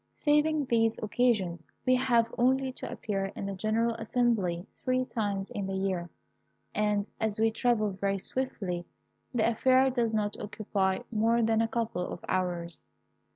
Saving these occasions, we have only to appear in the general assembly three times in the year; and, as we travel very swiftly, the affair does not occupy more than a couple of hours.